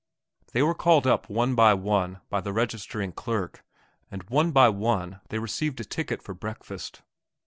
They were called up one by one by the registering clerk, and one by one they received a ticket for breakfast.